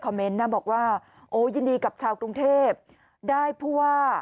เมนต์นะบอกว่าโอ้ยินดีกับชาวกรุงเทพได้ผู้ว่า